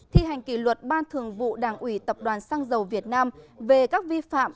thi hành kỷ luật ban thường vụ đảng ủy tập đoàn xăng dầu việt nam về các vi phạm